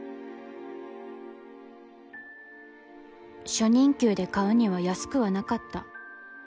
初任給で買うには安くはなかった。